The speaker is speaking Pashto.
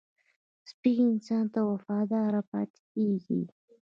سپي انسان ته وفاداره پاتې کېږي.